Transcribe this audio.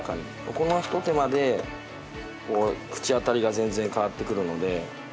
このひと手間で口当たりが全然変わってくるので。